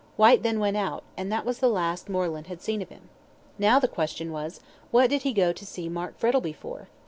Whyte then went out, and that was the last Moreland had seen of him. Now, the question was, "What did he go to see Mark Frettlby for?"